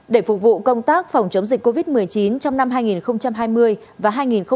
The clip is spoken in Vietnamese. để phục vụ công tác phòng chống dịch covid một mươi chín trong năm hai nghìn hai mươi và hai nghìn hai mươi một